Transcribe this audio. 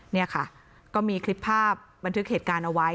นี่ค่ะก็มีคลิปภาพบันทึกเหตุการณ์เอาไว้